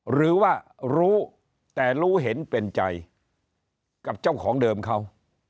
หรือว่ารู้แต่รู้เห็นเป็นใจกับเจ้าของเดิมเขา